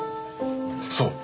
そう。